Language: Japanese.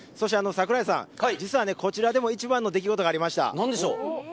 櫻井さん、実はこちらでもイチバンの出来事がありました。